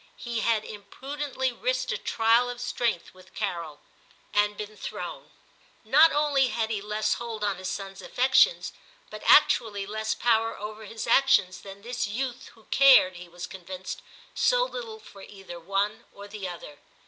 He had impru dently risked a trial of strength with Carol, and been thrown. Not only had he less hold on his son's affections, but actually less power over his actions than this youth who cared, he was convinced, so little for either one or the other.